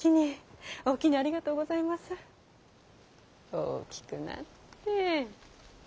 大きくなって。